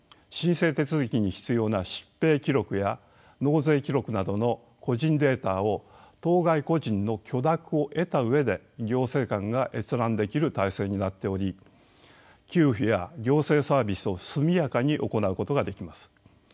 申請手続きに必要な疾病記録や納税記録などの個人データを当該個人の許諾を得た上で行政官が閲覧できる体制になっており給付や行政サービスを速やかに行うことができます。